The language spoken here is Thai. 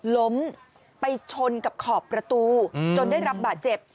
ล้มไปชนกับขอบประตูจนได้รับบาดเจ็บ